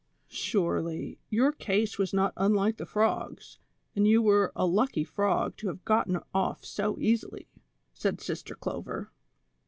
" Surely, your case was not unlike the frogs, and you were a lucky frog to have gotten off so easily," said Sister Clover.